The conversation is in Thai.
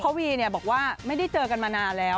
วีบอกว่าไม่ได้เจอกันมานานแล้ว